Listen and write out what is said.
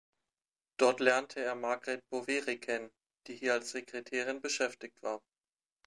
Dort lernte er Margret Boveri kennen, die hier als Sekretärin beschäftigt war.